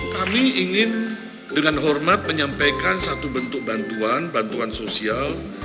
kami ingin dengan hormat menyampaikan satu bentuk bantuan bantuan sosial